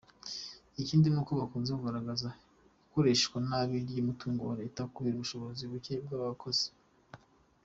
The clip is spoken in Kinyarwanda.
Ikindi nuko hakunze kugaragara ikoreshwanabi ry’umutungo wa Leta kubera ubushobozi bucye bw’abakozi.